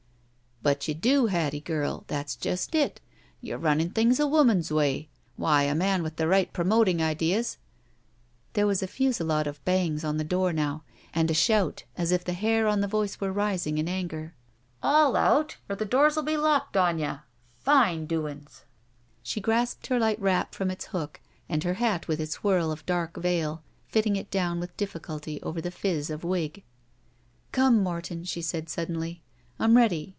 "But you do, Hattie girl. That's just it. You're running things a woman's way. Why, a man with the right promoting ideas —" There was a fusillade of bangs on the door now, and a shout as if the hair on the voice were rising in anger. "All out or the doors 11 be locked on ytih! Fine doings!" She grasped her light wrap from its hook, and her hat with its whirl of dark veil, fitting it down with difficulty over the fizz of wig. "Come, Morton," she said, suddenly. "I'm ready.